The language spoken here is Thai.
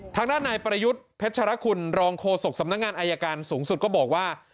ทางด้านนายประยุทธ์เพชรคุณรองโฆษกสำนักงานอายการสูงสุดก็บอกว่า